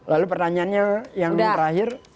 lalu pertanyaannya yang terakhir